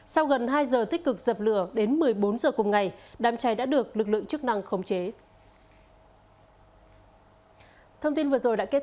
sau gần hai giờ tích cực dập lửa đến một mươi bốn h cùng ngày đám cháy đã được lực lượng chức năng khống chế